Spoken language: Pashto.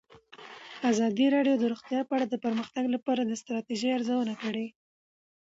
ازادي راډیو د روغتیا په اړه د پرمختګ لپاره د ستراتیژۍ ارزونه کړې.